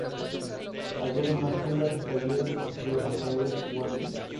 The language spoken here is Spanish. A la postre fue incorporado al Conservatorio Nacional de Música como maestro de canto.